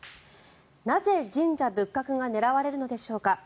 なぜ神社仏閣が狙われるのでしょうか。